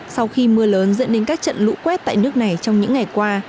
sau khi mưa lớn dẫn đến các trận lũ quét tại nước này trong những ngày qua